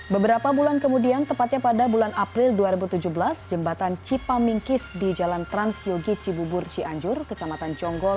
beberapa bulan kemudian tepatnya pada bulan april dua ribu tujuh belas jembatan cipamingkis di jalan transyogi cibubur cianjur kecamatan jonggol